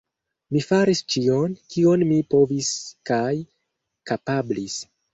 Mi faris ĉion, kion mi povis kaj kapablis.